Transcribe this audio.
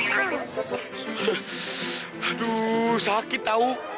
aduh sakit tau